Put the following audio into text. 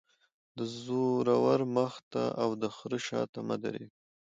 - د زورور مخ ته او دخره شاته مه تیریږه.